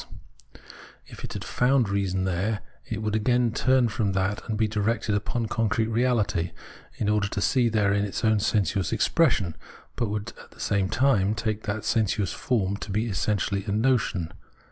Observation by Reason 235 If it had found reason there, it would again turn from that and be directed upon concrete reahty, in order to see therein its own sensuous expression, but would, at the same time, take that sensuous form to be essen tially a notion.